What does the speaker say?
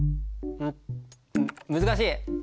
ん難しい！